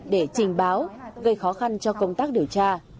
để trình báo gây khó khăn cho công tác điều tra